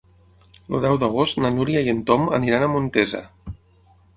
El deu d'agost na Núria i en Tom aniran a Montesa.